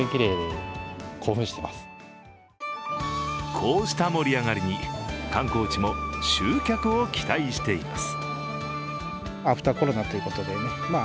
こうした盛り上がりに観光地も集客を期待しています。